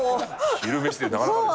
昼飯でなかなかですね。